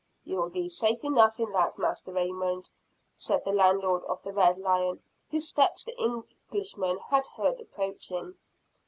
"You will be safe enough in that, Master Raymond," said the landlord of the Red Lion, whose steps the young Englishman had heard approaching.